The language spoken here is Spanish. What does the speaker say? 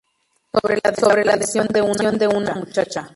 Sobre la desaparición de una muchacha.